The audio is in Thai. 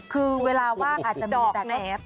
คือเวลาว่างอาจจะมีแต่